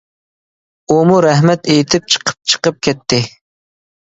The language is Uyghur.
ئۇمۇ رەھمەت ئېيتىپ چىقىپ چىقىپ كەتتى.